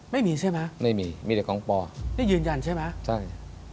ไม่มีใช่ไหมไม่มีมีแต่กองปอนี่ยืนยันใช่ไหมใช่